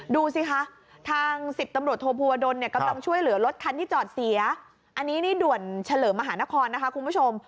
ดูสิคะทาง๑๐ตำรวจโทภูวดลเนี่ยกำลังช่วยเหลือรถคันที่จอดเสียอันนี้นี่ด่วนเฉลิมมหานครนะคะคุณผู้ชม